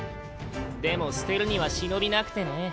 でも捨てるには忍びなくてね。